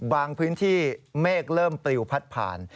บางพื้นที่เมฆเริ่มปลิวพัดผ่าน